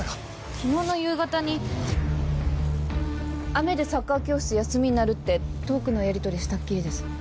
昨日の夕方に「雨でサッカー教室休みになる」ってトークのやりとりしたっきりです。